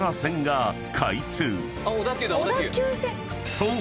［そう。